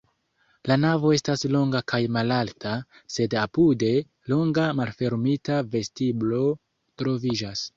La navo estas longa kaj malalta, sed apude longa malfermita vestiblo troviĝas.